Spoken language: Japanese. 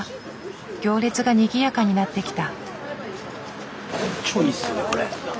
行列がにぎやかになってきた。